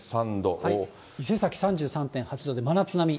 伊勢崎３３．３度で、真夏並み。